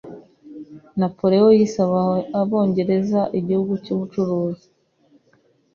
Napoleon yise Abongereza igihugu cyabacuruzi.